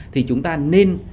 thì chúng ta nên